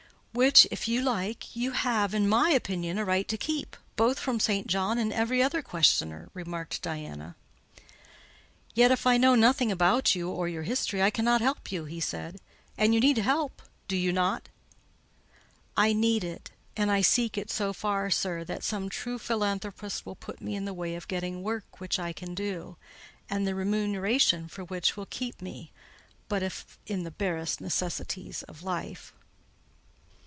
"Which, if you like, you have, in my opinion, a right to keep, both from St. John and every other questioner," remarked Diana. "Yet if I know nothing about you or your history, I cannot help you," he said. "And you need help, do you not?" "I need it, and I seek it so far, sir, that some true philanthropist will put me in the way of getting work which I can do, and the remuneration for which will keep me, if but in the barest necessaries of life."